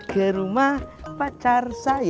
ke rumah pacar saya